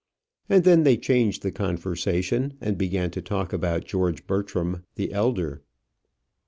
And then they changed the conversation, and began to talk about George Bertram the elder.